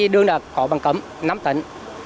đường đã có bằng cấm năm tấn